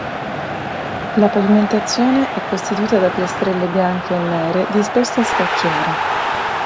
La pavimentazione è costituita da piastrelle bianche e nere disposte a scacchiera.